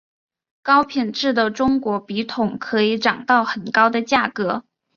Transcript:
高品质的中国笔筒可以涨到很高的价格。